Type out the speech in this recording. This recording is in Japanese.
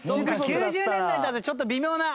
９０年代となるとちょっと微妙な。